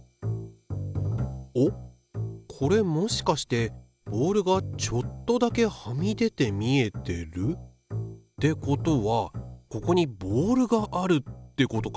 おっこれもしかしてボールがちょっとだけはみ出て見えてる？ってことはここにボールがあるってことか。